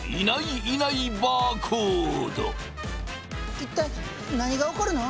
一体何が起こるの？